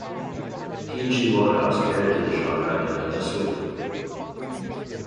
P. G. Wodehouse parodied the genre in The Swoop!